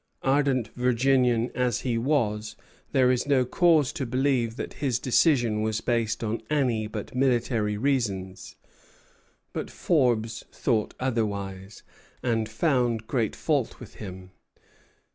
Ardent Virginian as he was, there is no cause to believe that his decision was based on any but military reasons; but Forbes thought otherwise, and found great fault with him.